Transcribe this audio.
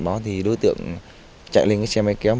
đối tượng chạy lên xe máy kéo